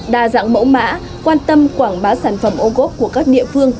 đa dạng mẫu mã quan tâm quảng bá sản phẩm ô cốt của các địa phương